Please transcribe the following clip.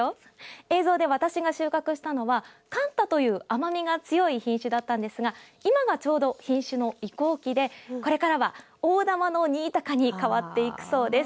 映像で私が収穫したのは甘太という甘みが強い品種だったんですが今がちょうど品種の移行期でこれからは大玉の新高に変わっていくそうです。